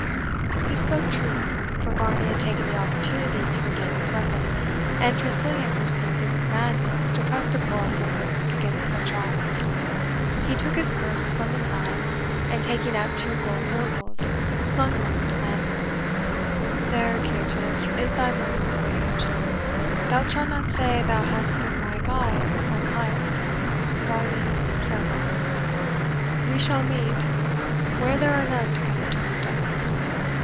He spoke truth, for Varney had taken the opportunity to regain his weapon, and Tressilian perceived it was madness to press the quarrel further against such odds. He took his purse from his side, and taking out two gold nobles, flung them to Lambourne. "There, caitiff, is thy morning wage; thou shalt not say thou hast been my guide unhired. Varney, farewell! we shall meet where there are none to come betwixt us."